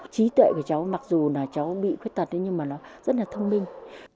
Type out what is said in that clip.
trí tuệ của cháu mặc dù là cháu bị khuyết tật nhưng mà nó rất là thông minh